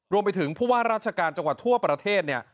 รวมไปถึงผู้ว่าราชการจังหวัดทั่วประเทศเนี่ย